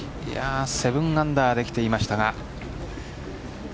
７アンダーで来ていましたが。